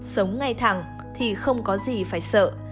sống ngay thẳng thì không có gì phải sợ